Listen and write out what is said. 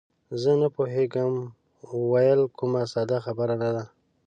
زه نه پوهېږم ویل، کومه ساده خبره نه ده.